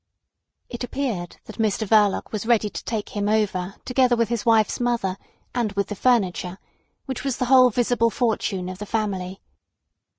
It appeared that Mr Verloc was ready to take him over together with his wife's mother and with the furniture, which was the whole visible fortune of the family.